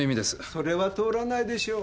それはとおらないでしょう。